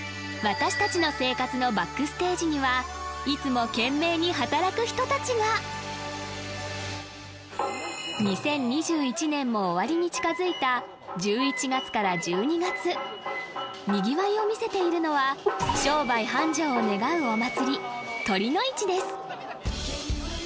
私達の生活のＢＡＣＫＳＴＡＧＥにはいつも懸命に働く人達が２０２１年も終わりに近づいた１１月から１２月にぎわいを見せているのは商売繁盛を願うお祭り酉の市です